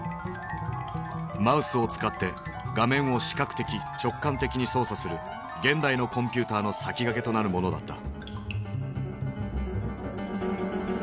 マウスを使って画面を視覚的直感的に操作する現代のコンピューターの先駆けとなるものだった。